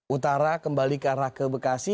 utara kembali ke arah ke bekasi